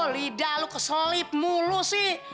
lidah lu keselip mulu sih